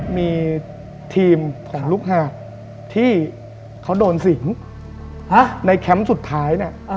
มีทีมของลูกหาดที่เขาโดนสิงในแคมป์สุดท้ายเนี่ย